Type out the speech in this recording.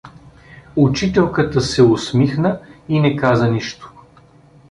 Учителката се усмихна и не каза нищо.